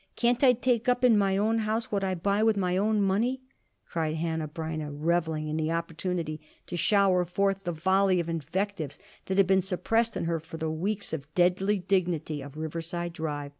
Can't I take up in my own house what I buy with my own money?" cried Hanneh Breineh, reveling in the opportunity to shower forth the volley of invectives that had been suppressed in her for the weeks of deadly dignity of Riverside Drive.